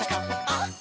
「あっ！